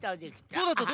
どうだった？